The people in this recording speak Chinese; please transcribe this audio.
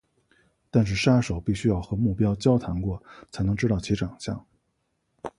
但是杀手必须要和目标交谈过才能知道其长相。